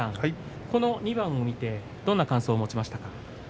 この２番を見てどんな感想を持ちましたか。